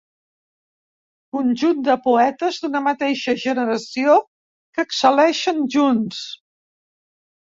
Conjunt de poetes d'una mateixa generació que excel·leixen junts.